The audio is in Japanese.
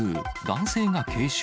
男性が軽傷。